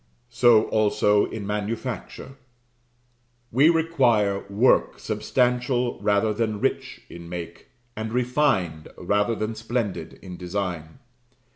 So also, in manufacture: we require work substantial rather than rich in make; and refined, rather than splendid in design.